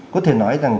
có thể nói rằng